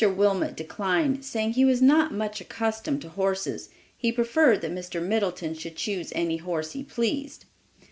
Wilmot declined, saying he was not much accustomed to horses; he preferred that Mr. Middleton should choose any horse he pleased.